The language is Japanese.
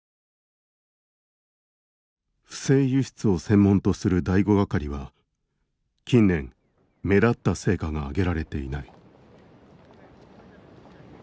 「不正輸出を専門とする第五係は近年目立った成果が上げられていない」。